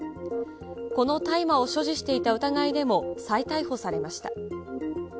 この大麻を所持していた疑いでも再逮捕されました。